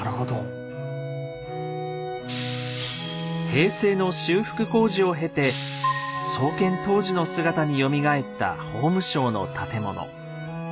平成の修復工事を経て創建当時の姿によみがえった法務省の建物。